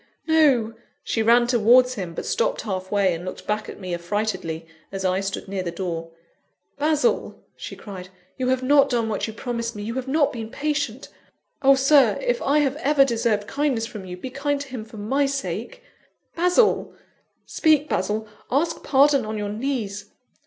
no!" She ran towards him; but stopped halfway, and looked back at me affrightedly, as I stood near the door. "Basil," she cried, "you have not done what you promised me; you have not been patient. Oh, Sir, if I have ever deserved kindness from you, be kind to him for my sake! Basil! speak, Basil! Ask his pardon on your knees.